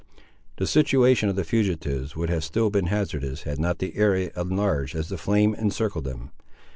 The situation of the fugitives would have still been hazardous had not the area enlarged as the flame encircled them.